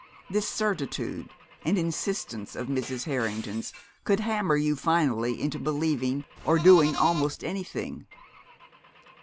That certitude and insistence of Mrs. Harrington's could hammer you finally into believing or doing almost anything.